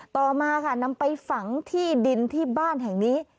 ต่อมาค่ะนำไปฝังที่ดินที่บ้านแห่งนี้